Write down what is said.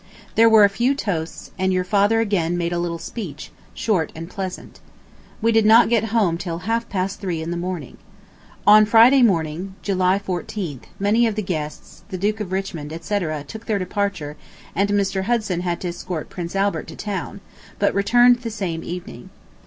There were a few toasts, and your father again made a little speech, short and pleasant. We did not get home till half past three in the morning. ... On Friday morning [July 14th] many of the guests, the Duke of Richmond, etc., took their departure and Mr. Hudson had to escort Prince Albert to town, but returned the same evening.